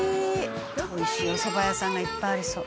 「美味しいおそば屋さんがいっぱいありそう」